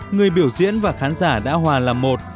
người biểu diễn và khán giả đã hòa làm một